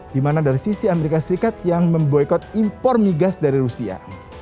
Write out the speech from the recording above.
di mana dari sisi amerika serikat yang memboykot impor migas dari rusia